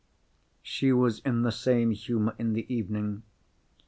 She was in the same humour in the evening.